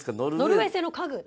ノルウェー製の家具。